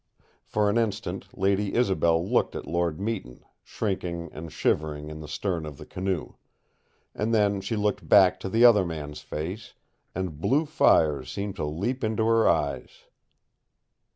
For an instant Lady Isobel looked at Lord Meton, shrinking and shivering in the stern of the canoe; and then she looked back to the other man's face, and blue fires seemed to leap into her eyes.